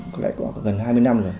có lẽ gần hai mươi năm rồi